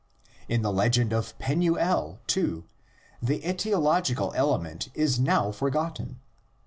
In the legend of Penuel, too, the aetiological element is now forgot ten.